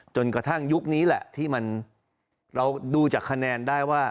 จนกระทั่งยุคนี้แหละที่เราดูจากคะแนนได้ว่า